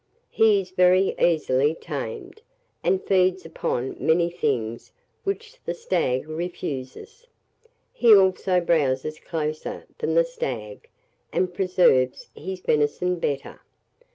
He is very easily tamed, and feeds upon many things which the stag refuses: he also browzes closer than the stag, and preserves his venison better.